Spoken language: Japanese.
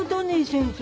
先生。